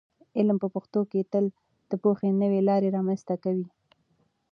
علم په پښتو تل د پوهې نوې لارې رامنځته کوي.